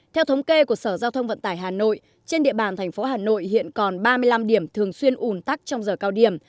theo thống kê của sở giao thông vận tải hà nội trên địa bàn thành phố hà nội hiện còn ba mươi năm điểm thường xuyên ủn tắc trong giờ cao điểm